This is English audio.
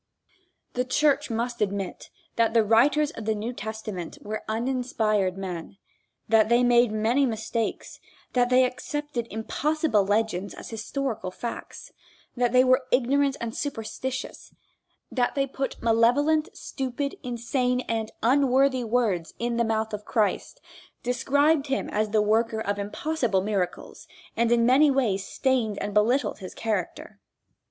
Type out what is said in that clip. The church must admit that the writers of the New Testament were uninspired men that they made many mistakes, that they accepted impossible legends as historical facts, that they were ignorant and superstitious, that they put malevolent, stupid, insane and unworthy words in the mouth of Christ, described him as the worker of impossible miracles and in many ways stained and belittled his character.